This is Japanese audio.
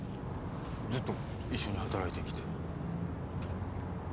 ずっと一緒に働いてきて。